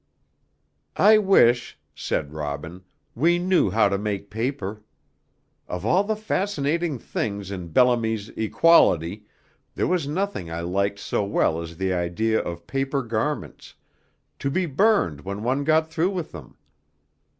"I wish," said Robin, "we knew how to make paper; of all the fascinating things in Bellamy's 'Equality,' there was nothing I liked so well as the idea of paper garments, to be burned when one got through with them.